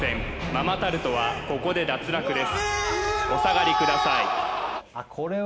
ママタルトはここで脱落ですお下がりください